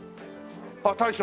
あっ大将。